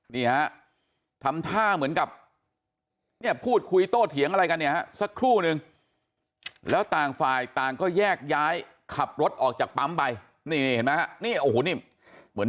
นี่ฮะทำท่าเหมือนกับเนี่ยพูดคุยโต้เถียงอะไรกันเนี่ยฮะสักครู่นึงแล้วต่างฝ่ายต่างก็แยกย้ายขับรถออกจากปั๊มไปนี่เห็นไหมฮะนี่โอ้โหนี่เหมือน